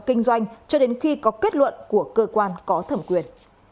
kinh doanh cho đến khi có kết luận của cơ quan có thẩm quyền